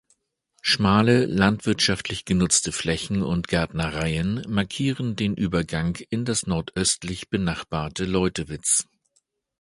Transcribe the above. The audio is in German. Schmale landwirtschaftlich genutzte Flächen und Gärtnereien markieren den Übergang in das nordöstlich benachbarte Leutewitz.